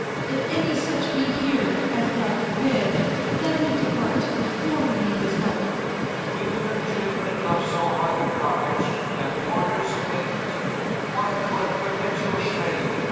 If any such be here, as God forbid, Let him depart, before we neede his helpe Oxf. Women and Children of so high a courage, And Warriors faint, why 'twere perpetuall shame.